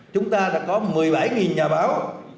chúng ta đã có một mươi bảy nhà báo